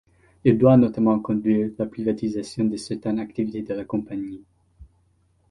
Il doit notamment conduire la privatisation de certaines activités de la compagnie.